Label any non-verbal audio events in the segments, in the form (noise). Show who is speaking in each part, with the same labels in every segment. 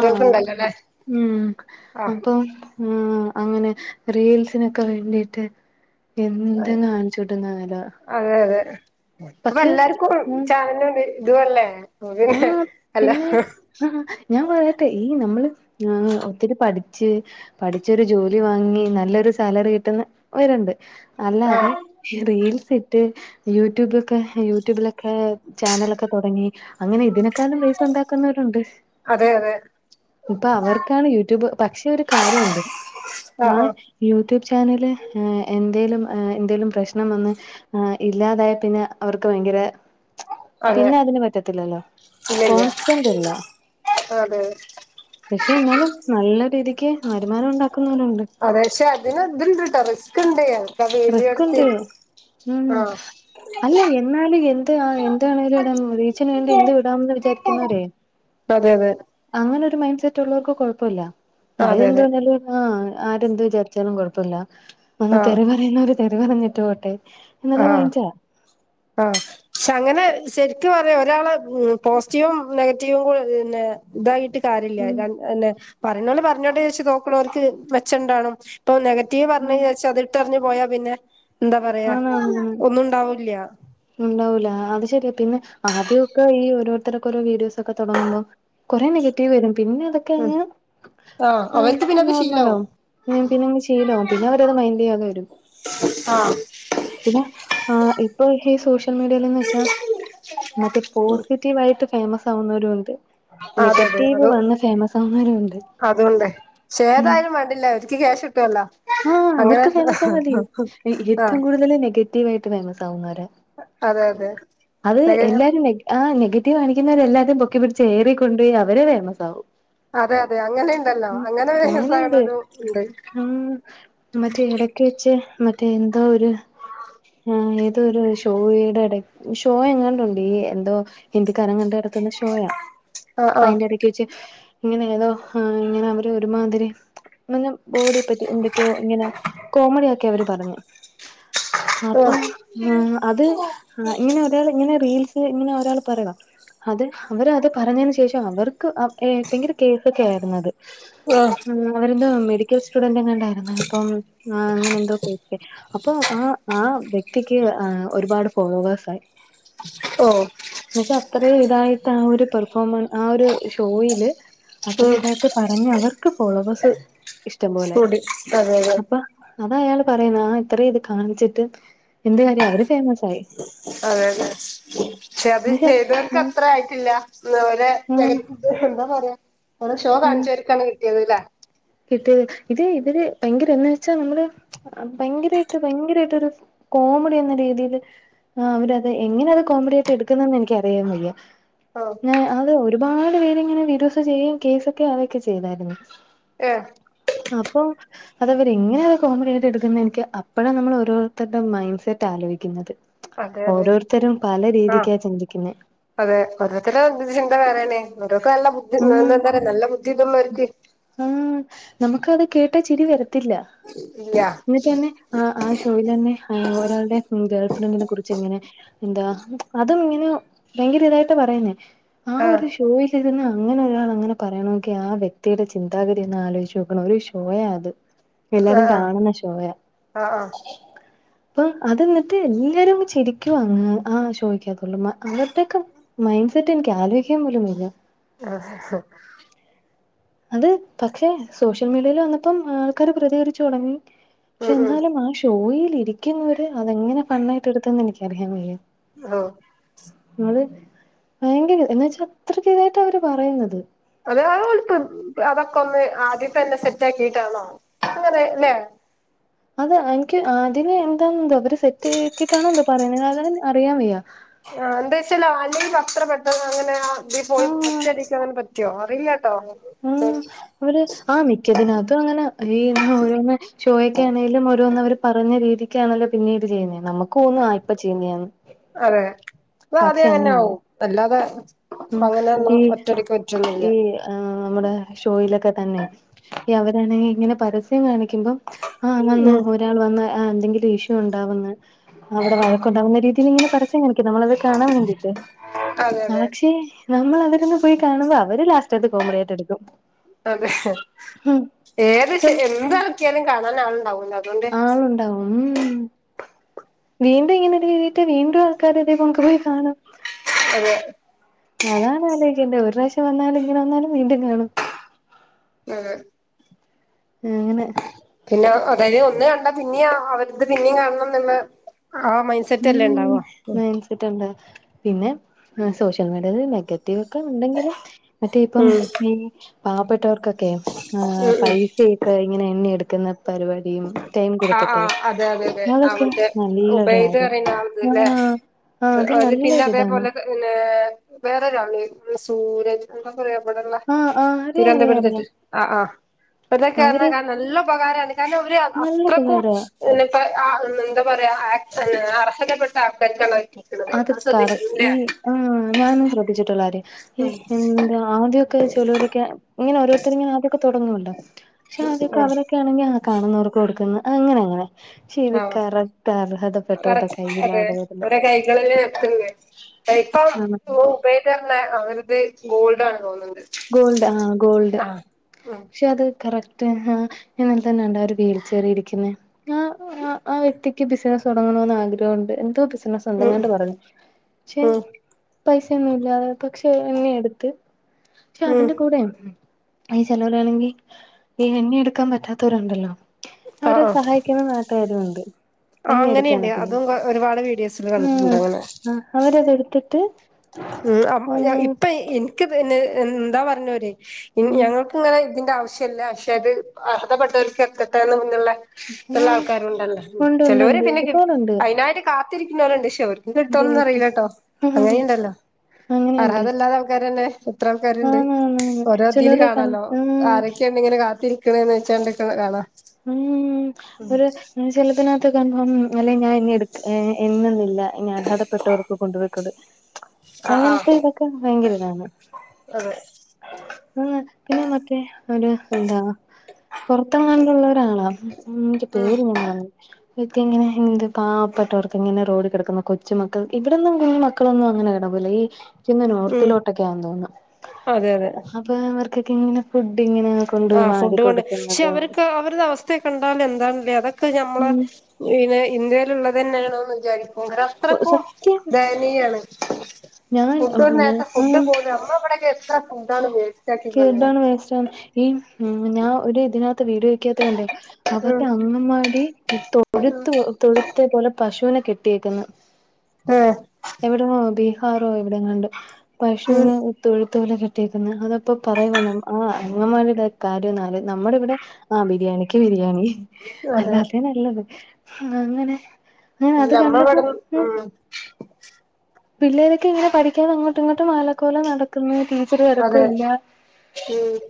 Speaker 1: ആഹ് ഉം
Speaker 2: ആഹ്
Speaker 1: അപ്പൊ ഉം അങ്ങനെ റീൽസിനൊക്കെ വേണ്ടിട്ട് എന്ത്
Speaker 2: അതെ
Speaker 1: കാണിച്ചുട്ടും കാര്യല്ല
Speaker 2: അതെ അതെ ഇപ്പ എല്ലാര്ക്കും
Speaker 1: ആഹ്
Speaker 2: ചാനലും തും അല്ലേ
Speaker 1: ആഹ് പിന്നെ ഉം ഉം ഞാൻ പറയട്ടെ ഈ നമ്മള് ഒത്തിരി പഠിച്ച് പഠിച്ചൊരു ജോലി വാങ്ങി നല്ലൊരു സാലറി കിട്ടുന്ന (unintelligible) അല്ലാതെ
Speaker 2: ആഹ്
Speaker 1: റീൽസ് ഇട്ട് യൂട്യൂബൊക്കെ യൂട്യൂബിലൊക്കെ ചാനലൊക്കെ തൊടങ്ങി അങ്ങനെ ഇതിനേക്കാലും പൈസ ഉണ്ടാക്കുന്നവരുണ്ട്
Speaker 2: അതെ അതെ
Speaker 1: ഇപ്പ അവർക്കാണ് യൂട്യൂബ് പക്ഷെ ഒരു കാര്യം ഉണ്ട് ആ
Speaker 2: ആഹ് ആഹ്
Speaker 1: യൂട്യൂബ് ചാനല് ആ എന്തേലും ആ എന്തേലും പ്രശ്നം വന്ന് ആഹ് ഇല്ലാതായ പിന്നെ അവർക്ക് ഭയങ്കരെ
Speaker 2: അതെ
Speaker 1: പിന്നെ അതിന് പറ്റ (unintelligible)
Speaker 2: ഇല്ലല്ല
Speaker 1: കോൺസ്റ്റന്റ് അല്ല
Speaker 2: അതെ
Speaker 1: പക്ഷെ എന്നാലും നല്ല രീതിക്ക് വരുമാനം ഉണ്ടാക്കുന്നോലുണ്ട്
Speaker 2: പക്ഷെ അതിന്‌ത്ണ്ട്ട്ടോ റിസ്ക് ണ്ട്
Speaker 1: റിസ്കുണ്ട് ഉം
Speaker 2: ആഹ്
Speaker 1: അല്ല എന്നാലു എന്ത് അ എന്താണേലും എടാം റീച്ചിന് വേണ്ടി എന്ത് ഇടാന്ന് വിചാരിക്കുന്നവരെ
Speaker 2: അതെ അതെ
Speaker 1: അങ്ങനെ ഒരു മൈന്റ്സെറ്റ് ഉള്ളോർക്ക് കൊഴപ്പയില്ല
Speaker 2: അതെ അതെ
Speaker 1: അവരെന്ത്‌വേണേലും ആഹ് ആരെന്ത് വിചാരിച്ചാലും കൊഴപ്പല്ല വന്ന്
Speaker 2: ആഹ്
Speaker 1: തെറി പറയുന്നവര് തെറി പറഞ്ഞിട്ട് പോട്ടെ എന്നുള്ള
Speaker 2: ആഹ്
Speaker 1: മൈൻഡാ
Speaker 2: ആഹ് അങ്ങനെ ശരിക്കും പറയാ ഒരാളെ ഉം പോസിറ്റീവും നെഗറ്റീവും കൂടെ പിന്നെ ഇതായിട്ട് കാര്യല്യ
Speaker 1: ഉം
Speaker 2: പറയ്ണോല് പറഞ്ഞോട്ടെച്ച് നോക്ക്ണോർക്ക് മെച്ചംണ്ടാണും ഇപ്പൊ നെഗറ്റീവ്
Speaker 1: ഉം
Speaker 2: പറഞ്ഞന്ന് വിചാരിച്ച് അത് ഇട്ടെറിഞ്ഞ് പോയാ പിന്നെ ന്താ പറയാ
Speaker 1: ആഹ് ഉം
Speaker 2: ഒന്നുണ്ടാവൂല്ല്യ
Speaker 1: ണ്ടാവൂല അത് ശരിയാ പിന്നെ ആദ്യക്കെ ഈ ഓരോരുത്തക്കെ ഓരോ വീഡിയോസ് തൊക്കെ തൊടങ്ങുമ്പോ കുറെേ നെഗറ്റീവ് വരും പിന്നെ
Speaker 2: ഉം
Speaker 1: അതൊക്കെങ്ങ്
Speaker 2: ആഹ്
Speaker 1: ആ
Speaker 2: അവർക്ക് പിന്നെ അത് ശീലാവും
Speaker 1: നോർമലാവും പിന്നങ്ങ് ശിലാവും പിന്ന അവരത് മൈൻഡ് ചെയ്യാതെ വരും
Speaker 2: ആഹ്
Speaker 1: പിന്നെ ആ ഇപ്പൊ ഈ സോഷ്യൽ മീഡിയൽന്ന് വെച്ചാ മറ്റേ പോസിറ്റീവ് ആയിട്ട് ഫേമസ് ആവുന്നോരുണ്ട്
Speaker 2: അതെതെ അത്
Speaker 1: ആവുന്നവരുണ്ട്
Speaker 2: അതുണ്ട്
Speaker 1: ഉം
Speaker 2: ശേതായാലും വേണ്ടില്ല (unintelligible)
Speaker 1: ആഹ്
Speaker 2: അങ്ങനെ
Speaker 1: അവർക്ക് ഫേമസ് ആയ മതി
Speaker 2: ആഹ്
Speaker 1: ഏറ്റവും കൂടുതൽ നെഗ നെഗറ്റീവായിട്ട് ഫേമസ് ആവുന്നവരെ
Speaker 2: അതെ
Speaker 1: അത്
Speaker 2: അതെ
Speaker 1: എല്ലാരും നെഗ ആ നെഗറ്റീവ് കാണിക്കുന്നവരെല്ലാരെ പൊക്കിപിടിച്ച് ഏറി കൊണ്ടോയി അവരെ ഫേമസ് ആവും
Speaker 2: അതെ അതെ അങ്ങനെണ്ടല്ലോ അങ്ങനെ
Speaker 1: അങ്ങനെയുണ്ട്
Speaker 2: ഫേമസാവ്ണോരുണ്ട് ഉണ്ട്
Speaker 1: ഉം മറ്റേ എടക്ക് വെച്ച് മ മറ്റേ എന്തോ ഒരു ആ ഏതോ ഒരു ശ് ടോയ്ടെ എടെ ഷോയെങ്ങാണ്ട് ഉണ്ട് എന്തോ ഹിന്ദിക്കാരെ എങ്ങാണ്ട് (unintelligible) തുന്ന ഷോയ
Speaker 2: ആ ആ
Speaker 1: പൈന്റെ ട (unintelligible) ഇങ്ങനെ ഏതോ ഇങ്ങനെ അവര് ഒരുമാതിരി എന്ന (unintelligible) ഇങ്ങനെ കോമഡിയാക്കി അവര് പറഞ്ഞ്
Speaker 2: ആ
Speaker 1: അപ്പൊ ആഹ് അത് ഇങ്ങനൊരു. ഒരാൾ ഇങ്ങനെ റീൽസ് ഇങ്ങനെ ഒരാള് പറയണം, അത് അവർ പറഞ്ഞതിനുശേഷം അവർക്ക്. ക്ക് ഏഹ് ഭയങ്കര കേസ് ഒക്കെ ആയിരുന്നു അത്.
Speaker 2: ആഹ്
Speaker 1: ഉം അവരെന്തോ മെഡിക്കൽ സ്റ്റുഡന്റ് എങ്ങാണ്ട്. അങ്ങനെ ഇപ്പൊ ഏഹ് അങ്ങനെ എന്തോ കേട്ടു, അപ്പൊ ആഹ് ആഹ് വ്യക്തിക്ക് ഒരുപാട്. ഓവർസായി
Speaker 2: ഓ
Speaker 1: എന്നുവച്ചാൽ അത്ര ഇതായിട്ട് ആഹ് ഒരു പെർഫോമൻ ആഹ് ഒരു ഷോയില് അത്ര
Speaker 2: ഉം
Speaker 1: ഇതായിട്ട്. പറഞ്ഞ് അവർക്ക് ഫോയിലോഴ്സ് ഇഷ്ടം പോലെ ആയി.
Speaker 2: കൂടി അതെ അതെ.
Speaker 1: അപ്പ അതാ അയാള് പറയുന്ന ആഹ് ഇത്ര ഇത് കാണിച്ചിട്ട്, എന്ത് കാര്യം അവര് ഫേമസ് ആയി.
Speaker 2: അതെ അതെ, പക്ഷെ അത്
Speaker 1: എനിക്ക്
Speaker 2: ചെയ്തവർക്ക്
Speaker 1: ഉം
Speaker 2: അത്ര ആയിട്ടില്ല ഇന്നുവരെ
Speaker 1: ഉം
Speaker 2: നെഗറ്റീവ്. എന്താ പറയാ അവിടെ ഷോ
Speaker 1: ഉം
Speaker 2: കാണിച്ചർക്കാണ് കിട്ടിയത് അല്ലെ.
Speaker 1: കിട്ടിയത് ഇത് ഇവരെ. ഭയങ്കര എന്നുവെച്ചാൽ നമ്മള് ആഹ് ഭയങ്കരമായിട്ട് ഭയങ്കരമായിട്ട് ഒരു കോമഡി എന്ന രീതിയില്. ആഹ് അവര് അത് എങ്ങനെ അത് കോമഡി ആയിട്ട് എടുക്കുന്നന്ന് എനിക്ക് അറിയാൻ വയ്യാ.
Speaker 2: ആ
Speaker 1: ഞാൻ അത് ഒരുപാട് പേരെ ഇങ്ങനെ വീഡിയോസ് ചെയ്യും, കേസ് ഒക്കെ ആവുമൊക്കെ ചെയ്തായിരുന്നു.
Speaker 2: ആഹ്
Speaker 1: അപ്പൊ അത് ഇവര് ഇങ്ങനൊരു കോമഡിയായിട്ട് എടുക്കുന്നു എനിക്ക് അപ്പോഴാ നമ്മള് ഓരോരുത്തരുടെ മൈൻ സെറ്റ് ആലോചിക്കുന്നത്.
Speaker 2: അതെ അതെ
Speaker 1: ഓരോരുത്തരും പല
Speaker 2: ആ
Speaker 1: രീതിക്കാ ചിന്തിക്കുന്നെ.
Speaker 2: അതെ ഓരോരുത്തരുടെ എന്തു ചിന്ത വേറെയാണ്, ഓരെയൊക്കെ നല്ല ബുദ്ധി
Speaker 1: ഉം
Speaker 2: നല്ലെന്റെ നല്ല ബുദ്ധി കിട്ടുന്ന ഒരുത്തി.
Speaker 1: ആഹ് നമുക്ക് അത് കേട്ടാൽ ചിരി വരത്തില്ല
Speaker 2: ഇല്ല
Speaker 1: എന്നിട്ടന്നെ. ആഹ് ആഹ് ഷോയിൽ തന്നെ ഒരാളുടെ ഗേൾ ഫ്രണ്ടിനെ കുറിച്ച് എങ്ങനെ. എന്താ അതും ഇങ്ങനെ ഭയങ്കര ഇതായിട്ട് പറയുന്നേ ആഹ്
Speaker 2: ആ
Speaker 1: ഒരു ഷോയിൽ ഇരുന്ന്. അങ്ങനെ ഒരാള് അങ്ങനെ പറയണമെങ്കിൽ ആഹ് വ്യക്തിയുടെ ചിന്താഗതി ഒന്ന് ആലോചിച്ച് നോക്കണം ഒരു ഷോയാ അത്. എല്ലാരും
Speaker 2: ആ
Speaker 1: കാണുന്ന ഷോയാ.
Speaker 2: ആ ആ ആ
Speaker 1: അപ്പൊ അത് എന്നിട്ട് എല്ലാരും ചിരിക്കാണ്, ആഹ് ഷോയ്ക്ക് ഉള്ളമാ അകത്തേക്ക്. മൈൻഡ് സെറ്റ് എനിക്ക് ആലോചിക്കാൻ പോലും വയ്യാ.
Speaker 2: ആഹ്
Speaker 1: അത് പക്ഷെ സോഷ്യൽ മീഡിയയിൽ വന്നുമ്പോ ആൾക്കാരെ പ്രതികരിച്ച് തുടങ്ങി. പക്ഷെ
Speaker 2: ഉം ഉം
Speaker 1: എന്നാലും ആഹ് ഷോയിൽ ഇരിക്കുന്നവര് അതെങ്ങനെ ഫൺ ആയിട്ട് എടുത്തന്ന് എനിക്കറിയാൻ വയ്യ.
Speaker 2: ആഹ്
Speaker 1: നിങ്ങള് ഭയങ്കര ഇത് എന്നുവെച്ചാൽ അത്രക്ക് ഇതായിട്ട് അവര് പറയുന്നത്.
Speaker 2: അത് അതോട്ടും അതൊക്കെ ഓര് ആദ്യ തന്നെ സെറ്റ് ആക്കിട്ടാണോ അങ്ങനെല്ലെ.
Speaker 1: അത് എനിക്ക് ആദ്യമേ എന്താണ് എന്തോ അവര് സെറ്റ് ആക്കിട്ടാണ് എന്തോ പറയുന്ന അതുകാരണം അറിയാൻ വയ്യാ.
Speaker 2: ആഹ് എന്താ വെച്ചാല് അല്ലെങ്കിൽ അത്ര പെട്ടെന്ന് അങ്ങനെ ആഹ് ഇതില് പോയി
Speaker 1: ആഹ്
Speaker 2: ഒറ്റയടിക്ക് അങ്ങനെ പറ്റു. റ്റോറില്ലട്ടോ.
Speaker 1: ആഹ് ഓര് ആഹ് മിക്കതിനകത്തും അങ്ങനെ ഈ എന്ന് ഓരോന്. ഷോയ്ക്ക് ആണേലും ഓരോന് അവര് പറഞ്ഞു രീതിക്ക് ആണലോ പിന്നീട് ചെയ്യുന്ന, നമുക്ക് തോന്നും ആഹ് ഇപ്പ ചെയ്യുന്നതെന്ന്.
Speaker 2: അതെ ആദ്യം അങ്ങനെയാവും അല്ലാതെ. അപ്പൊ
Speaker 1: ഉം
Speaker 2: അങ്ങനെ അത് ഒറ്റയടിക്ക് പറ്റൊന്നുല്ല.
Speaker 1: ആഹ് നമ്മുടെ ഷോയിലൊക്കെ തന്നെ ഈ അവരാണെങ്കിൽ ഇങ്ങനെ പരസ്യം കാണിക്കുമ്പോ. ആഹ് വന്ന്
Speaker 2: ഉം
Speaker 1: ഒരാൾ വന്ന് ആഹ് എന്തെങ്കിലും ഇഷ്യൂ ഉണ്ടാവന്ന്. അവിടെ വഴക്കുണ്ടാവുന്ന രീതിയിൽ ഇങ്ങനെ പരസ്യം കാണിക്കും, നമ്മള് അത് കാണാൻ വേണ്ടിയിട്ട്.
Speaker 2: അതെ അതെ.
Speaker 1: പക്ഷെ നമ്മള് അതിലൊന്ന് പോയി കാണുമ്പോ അവര് ലാസ്റ്റത്തെ കോമഡിയായിട്ട് എടുക്കും.
Speaker 2: അതെ,
Speaker 1: ഉം
Speaker 2: ഏത് ശ
Speaker 1: ചെല
Speaker 2: എന്ത്
Speaker 1: ഉം
Speaker 2: ഇറക്കിയാലും കാണാൻ ആളുണ്ടാവൂലോ അതുകൊണ്ട്.
Speaker 1: ആളുണ്ടാവും ഉം വീണ്ടും ഇങ്ങനെ എഴുതിട്ട് വീണ്ടും അത്. കര പൊങ്ക പോഖാന (inaudible)
Speaker 2: അതെ
Speaker 1: അതാണ് ആലോചിക്കണ്ട ഒരു പ്രാവശം വന്നാലും ഇങ്ങനെ വന്നാലും വീണ്ടും കാണും
Speaker 2: ഇം
Speaker 1: ആ അങ്ങനെ
Speaker 2: പിന്നെ അതായത് ഒന്ന് കണ്ട പിന്നിം അവര്ക് പിന്നിം കാണണന്നുള്ള ആമൈൻസ്
Speaker 1: ഉം മൈൻസ് ട്ടെന്താ പിന്നെ സോഷ്യൽ മീഡിയ ല് നെഗറ്റീവക്കെണ്ടെങ്കിലും ഉണ്ടെങ്കിലും മറ്റേ ഇപ്പം
Speaker 2: ഉം
Speaker 1: ഈ പാവപ്പെട്ടവർക്കൊക്കെ ആ
Speaker 2: ഉം ഉം
Speaker 1: പൈസ്- കേക്ക എങ്ങനെ എണ്ണ എടുക്കുന്ന പരിപാടി യും
Speaker 2: ആഹ്
Speaker 1: തേൻകൊടുതിട്ട്
Speaker 2: ആഹ് അതെ അതെ അതെ ആഹ്
Speaker 1: നിങ്ങളൊക്ക
Speaker 2: മറ്റേ
Speaker 1: നല്ലൊരു
Speaker 2: ഉബൈദ്
Speaker 1: ആഹ
Speaker 2: പറയുന്ന ആൾത് ല്ലേ
Speaker 1: ആഹ അത് നല്ലൊരുഇതാണ്
Speaker 2: ല്ലേ--വേറൊരാൾ സൂരജ് എന്താ പുയപ്പള
Speaker 1: ആഹ് ആഹ് അറിയാം അറിയാം അറിയാം
Speaker 2: തിരുവനന്തപുരത്തെതിആ ആ ഇവരൊക്കെ ന്ന
Speaker 1: അവര്
Speaker 2: കാരണം നല്ല ഉപകാരം ആണ് കാരണം വര്
Speaker 1: നല്ല
Speaker 2: അത്രക്കും
Speaker 1: ഉപകാരവാ
Speaker 2: പിന്നെപ്പ ആഎന്താ പറയാ അർഹതപ്പെട്ട ആൾക്കാർക്കാണ് എത്തിക്കണത്
Speaker 1: അത് കറക്ട് ഈ
Speaker 2: ശ്രദ്ധിച്ചിട്ടുണ്ടല്ലേ
Speaker 1: ആ ഞാനും ശ്രദ്ധിച്ചിട്ടുള്ള കാര്യ
Speaker 2: ഉം
Speaker 1: ഇഎന്താ ആദ്യക്കെ ചെലോരൊക്കെ ഇങ്ങനെ ഓരോരുത്തർ ഇങ്ങനെ ആദ്യ തൊടങ്ങുന്നുണ്ടോ ക്ഷെ ആദ്യഓകെ
Speaker 2: ഉം
Speaker 1: അവരൊക്കെ ആണെങ്കിൽ ആ കാണുന്നവർക്ക് കൊടുക്കുന്നു അങ്ങനെ അങ്ങനെ ശരി.
Speaker 2: ആഹ്
Speaker 1: കറക്റ്റ് ണ് അർഹതപ്പെട്ടവരുടെ കയ്യിലാത് വരുന്ന
Speaker 2: നിങ്ങളല്ലേ വെക്കുന്ന ഇപ്പം
Speaker 1: ആ
Speaker 2: ഊ പേതരണ് ന്നെഅവരത് ഗോൾഡ ആണ് തോന്നണ്ട്
Speaker 1: ഗോൾഡ് ആ ഗോൾഡ്
Speaker 2: ഉം
Speaker 1: ക്ഷെ അത് കറക് ആ ഇന തന്നെ കണ്ട അവര വീൽചെയറിൽ ഇരിക്കുന്ന ഞാനും ആ ആ വ്യക്തിക്ക് ബിസിനസ് തുടങ്ങണന്ന് ആഗ്രഹംണ്ട് എന്തോ ബിസിനസ് അങ്ങനെ
Speaker 2: ഉം
Speaker 1: കാണ്ട് പറയും ക്ഷെ
Speaker 2: ഉം
Speaker 1: പൈസന്നുല്ലാ പക്ഷെ എന്നെയ എടുത്ത് പക്ഷെ
Speaker 2: ഉം
Speaker 1: അതിന്റെ കൂടെ ഈ ചിലവരാണെങ്കിൽ ഈ എണ്ണി എടുക്കാൻ പറ്റാത്തവരുണ്ടല്ലോ അവരെ
Speaker 2: ആഹ്
Speaker 1: സഹായിക്കുന്ന നാട്ടുകാരും ഉണ്ട്
Speaker 2: ആ അങ്ങനെയിണ്ട് അതും ഒരുപാട് വീഡിയോസിൽ കണ്ടിട്ടുണ്ട് അങ്ങനെ
Speaker 1: ആ അവരത എടുത്തിട്ട്
Speaker 2: ഉ ഇപ്പ എനിക്ക് പിന്നെഎന്താ പറഞ്ഞ ഓര്
Speaker 1: ഉം
Speaker 2: ഞങ്ങൾക്ക് ഇങ്ങനെ ഇതിന്റെ ആവശ്യ ഇല്ല പക്ഷേ അത് അർഹതപ്പെട്ടവർക്ക് എതെട്ട എന്നുള്ള ഉള്ള
Speaker 1: ഉം
Speaker 2: ആൾക്കാർഉണ്ടല്ല
Speaker 1: ഉണ്ട് ഉണ്ട്
Speaker 2: ചലോര്
Speaker 1: ഉണ്ട്
Speaker 2: പിന്നെ
Speaker 1: ഒരുപാടുണ്ട്
Speaker 2: അയയിനായിട്ട് കാ ത്തിരിക്കുന്നവരുണ്ട് ക്ഷെ അവർക്കും കിട്ടോന്ന്
Speaker 1: കേട്ട്
Speaker 2: അറിയില്ല കേട്ടോ അങ്ങനെയുണ്ടല്ലോ
Speaker 1: അങ്ങ
Speaker 2: അർഹാതല്ലാതെ ആൾക്കാരന്നെ എത്ര ആൾക്കാരുണ്ട്
Speaker 1: ആന്ന് ആന്ന് ആന്ന്
Speaker 2: ഓരോതിൽ
Speaker 1: ചിലര് കൺ
Speaker 2: കാണല്ലോ
Speaker 1: ഉം
Speaker 2: ആരൊക്കെ ഇങ്ങനെ കാത്തിരിക്കണന്ന് വെച്ചാന്താ കഥ
Speaker 1: ഉം ഒരു ചെലപ്പനകത്ത് കൺഫോം അല്ലെ ഞാൻ നി ടുക്ക ന്നൊന്നില്ല ഇനി അർഹതപ്പെട്ടവർക്ക് കൊണ്ടുപകൊടുക്കൽ
Speaker 2: ആഹ്
Speaker 1: അങ്ങനത്തെ
Speaker 2: ആഹ്
Speaker 1: ഇതൊക്കെ ഭയങ്കര ഇതാണ്
Speaker 2: അതെ
Speaker 1: ആ പിന്നെ ഞമ്മമക്ഒരു എന്താ പുറത്തെങ്ങാണ്ട ളം പേര് ഞാൻ മറന്നു പോയി ഇതഇങ്ങനെ എന്ത് പാവപ്പെട്ടവർക്ക് ഇങ്ങനെ റോഡ് കിടക്കുന്ന കൊച്ചു മക്കൾ ഇവിടെന്നും നിയമം. മക്കളൊന്നും അങ്ങനെ കെടക്കു ല ഈ
Speaker 2: ഉം
Speaker 1: നോർത്തിലോട്ടൊക്കെയാ തോന
Speaker 2: അതെ അതെ
Speaker 1: പ അവർക്കൊക്കെ ഇങ്ങെ ഫുഡ് ഇങ്ങനെ
Speaker 2: ആ്
Speaker 1: കൊണ്ടുപോയി വാരി
Speaker 2: ഫുഡ് കൊണ്ട് ക്ഷെ
Speaker 1: കൊടുക്കുന്നത്
Speaker 2: അവർക്ക് അവരുടെ അവസ്- സ്ഥകണ്ടാല എന്താണല്ലേ അതൊക്കെ നമ്മ
Speaker 1: ഉം
Speaker 2: പിന്നെ ഇന്ത്യയില ഉള്ളത് തന്നെയാണോന്ന് വിചാരിക്ക വരെ
Speaker 1: സത്യം
Speaker 2: അത്രക്കുംദയനീയാണ് ഫുഡ് ഒരു നേരത്തേ ആ ഫുഡ്
Speaker 1: ഞാൻ
Speaker 2: പോലും നമ്മളെ എത്ര ഫുഡാണ് വേസ്റ്റ് ആക്കി കളയണെ
Speaker 1: ഫുഡണ് വേസ്റ്റവണ് ഈ ഞാ ഒരു ഇത് (inaudible) വീട് വക്കാത്ത കണ്ട
Speaker 2: ഉം
Speaker 1: അവരുടെ അങ്ങൻ വാടി തൊഴുതു തൊഴുത്തെ പോലെ പശുവിനെ കെട്ടിയേക്കുന്നു
Speaker 2: ഉം
Speaker 1: എവിടോ ബീഹാറോ എവിടെങ്ങാണ്ട്
Speaker 2: ഉം
Speaker 1: പശുവിന് തൊഴുത്തോലെ കെ അതപ്പോ പറയവാ ആ അമ്മമാടെ കാര്യം എന്നാല് നമ്മുടെ ഇവിടെ ആഹ് ബിരിയാണിക്ക് ബിരിയാണി
Speaker 2: അതെ
Speaker 1: അല്ലാത നല്ലത് അങ്ങനെ
Speaker 2: ഇല്ല
Speaker 1: അത്
Speaker 2: നമ്മളെ
Speaker 1: കണ്ടപ്പോ
Speaker 2: ഇവിടൊന്നും
Speaker 1: ഉ
Speaker 2: ഉം
Speaker 1: പിള്ളേരെക്കെ ഇങ്ങന പഠിക്കാതെ അങ്ങോട്ടുംഇങ്ങട്ടും അലക്കോല നട ടീച്ചർ ഇടക്
Speaker 2: അതെ
Speaker 1: ഇല്ല
Speaker 2: ഉം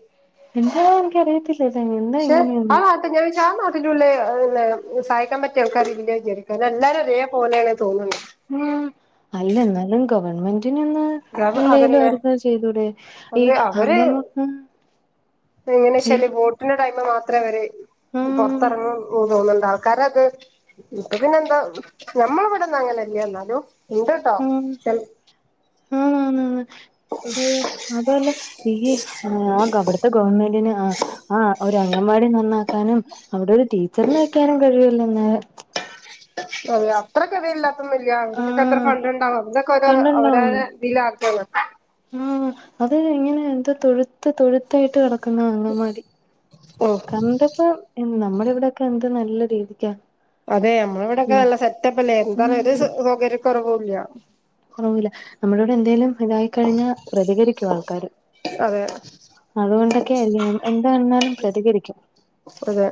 Speaker 1: എന്താണോ എനിക്കറിയത്തില്ലന്ന്
Speaker 2: ശെ ആഹ് അപ്പൊ ഞാ ചോയ്ച്ച ആ നാട്ടിലുള്ളെ പിന്നെ സഹായിക്കാൻ പറ്റിയ ആൾക്കാരില്ലേ വിചാരിക്കും ആര്ണം എല്ലാരും ഒരേ പോലാണ് തോന്നുന്നത്.
Speaker 1: ഉ അല്ല എന്നാലും ഗവൺമെന്റിന് ഇന്ന്
Speaker 2: കാരണം
Speaker 1: എന്തേലും
Speaker 2: അതന്നെ
Speaker 1: അർക്കത് ചെയ്തുടെ ഈ
Speaker 2: അവര്
Speaker 1: അനൊന്നും
Speaker 2: (unintelligible) ന്നാ ടൈം മാത്രേ അവര്
Speaker 1: ആഹ്
Speaker 2: പുറത്തിറങ്ങും തോന്നുന്നുണ്ട് ആൾക്കാരത് പിന്നെന്താ നമ്മളവിടെന്ന് അങ്ങനെയില്ല എന്നാലും ഉണ്ട് ട്ടോ ച
Speaker 1: ആന്നാന്ന് ഏ മാത്രല്ല ഈ ആ അവിടുത്തെ ഗവൺമെന്റിന് ആഹ് ആഹ് ഒരു അങ്ങൻവാടി നന്നാക്കാനും അവിടെ ഒരു ടീച്ചറിന് വെക്കാനും കഴിവൂല്ലന്ന്
Speaker 2: അതെ അത്ര ഗതിയില്ലാതെ ഒന്നുല്ലിയ അവർക്കൊക്കെ അത്ര
Speaker 1: ആഹ്
Speaker 2: ഫണ്ട് ഉണ്ടാവും അതിനൊക്കെ ഒരോ അവരോരെ ഇില ആ (unintelligible)
Speaker 1: ആ അത് ഇങ്ങനെ എന്താ തൊഴുത്ത് തൊഴുത്തായിട്ട് കട അങ്ങവാതി
Speaker 2: ഉം
Speaker 1: കണ്ടപ്പോഇനി നമ്മുടെ ഇവിടെകെ എന്തു നല്ല രീതിക്കാ
Speaker 2: അതെ നമ്മളെ ഇവിടൊക്കെ
Speaker 1: ഉം
Speaker 2: നല്ല സെറ്റപ്പല്ലേ
Speaker 1: ഉം
Speaker 2: എന്താണ് ഒരു സൗകര്യക്കുറവുല്ല
Speaker 1: കുറവില്ല നമ്മുടെവിടെ എന്തേലും ഇതായി കഴിഞ്ഞാ പ്രതികരിക്കും ആൾക്കാര്
Speaker 2: അതെ.
Speaker 1: അതുകൊണ്ടൊക്കെ എന്താണാലും പ്രതികരിക്കും
Speaker 2: അതെ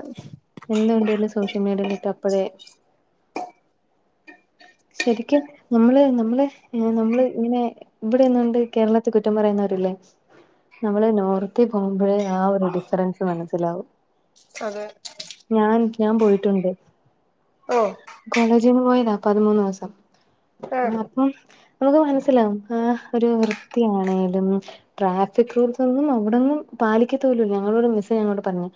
Speaker 1: എന്ത് ഉണ്ടേലും സോഷ്യൽ മീഡിയയിലിട്ട് അപ്പഴേ ശരിക്കും നമ്മള് നമ്മള് നമ്മള് ഇങ്ങനെ ഇവിടെന്നണ്ട് കേരളത്തെ കുറ്റം പറയുന്നവരില്ലേ നമ്മള് നോർത്തിൽ പോകുമ്പോഴേ ആ ഒരു ഡിഫറൻസ് മനസ്സിലാവും
Speaker 2: അതെ
Speaker 1: ഞാൻ ഞാൻ പോയിട്ടുണ്ട്
Speaker 2: ഓ
Speaker 1: കോളേജിൽന്ന് പോയതാ പതിമൂന്ന് ദിവസം
Speaker 2: ആഹ്
Speaker 1: അപ്പം നമുക്ക് മനസ്സിലാവും ആഹ് ഒരു വൃത്തിയാണെലും ട്രാഫിക് റൂൾസ് അവിടൊന്നും പാലിക്കതുപോലും ഇല്ല ഞങ്ങളോട് മിസ്സ്‌ ഞങ്ങളോട് പറഞ്ഞു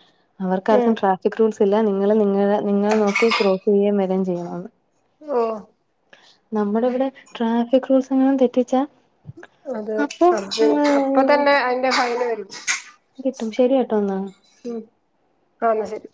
Speaker 2: ഉം
Speaker 1: അവർക്കാർക്കും ട്രാഫിക് റൂൾസ്‌. ഇല്ല നിങ്ങൾ നിങ്ങയെ നിങ്ങളെ നോക്കി ക്രോസ് ചെയേം വവേരേം ചെയ്യണന്ന്
Speaker 2: ഓ
Speaker 1: നമ്മടെ ഇവടെ ട്രാഫിക് റൂൾസെങ്ങാനും തെറ്റിച്ചാ
Speaker 2: അതെ
Speaker 1: അപ്പം
Speaker 2: അതെ അപ്പ തന്നെ അയിന്റെ ഫൈന് വരും
Speaker 1: കിട്ടും ശരിയാട്ടോ ന്നാ
Speaker 2: ഉം ആഹ് എന്നാ ശരി